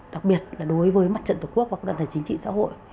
đặc biệt là đối với mặt trận tổ quốc và các đoàn thể chính trị xã hội